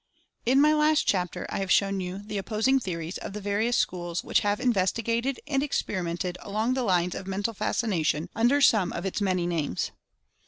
In my last chapter I have shown you the opposing theories of the various schools which have investigated and experimented along the lines of Mental Fascina tion, under some of its many names.